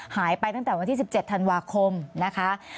หายไปตั้งแต่วันที่๑๗ธันวาคมนะคะ